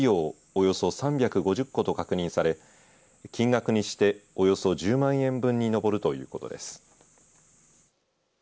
およそ３５０個と確認され金額にしておよそ１０万円分に上るということです。